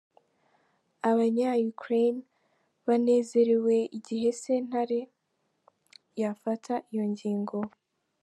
Abanya Ukraine banezerewe igihe sentare yafata iyo ngingo.